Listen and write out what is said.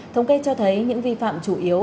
thông kê cho thấy những vi phạm chủ yếu